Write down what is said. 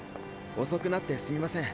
遅くなってすみません。